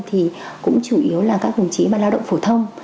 thì cũng chủ yếu là các hùng trí và lao động phổ thông